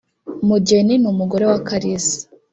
mugeni ni umugore wa kalisa